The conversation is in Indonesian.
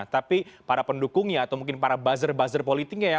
tapi para pendukungnya atau mungkin para buzzer buzzer politiknya ya